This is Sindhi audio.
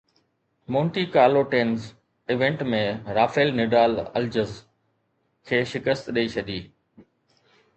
مونٽي ڪارلوٽينز ايونٽ ۾ رافيل نڊال الجز کي شڪست ڏئي ڇڏي